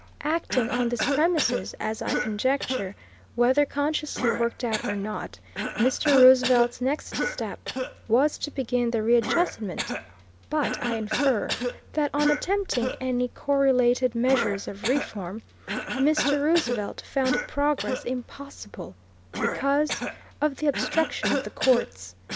Acting on these premises, as I conjecture, whether consciously worked out or not, Mr. Roosevelt's next step was to begin the readjustment; but, I infer, that on attempting any correlated measures of reform, Mr. Roosevelt found progress impossible, because of the obstruction of the courts.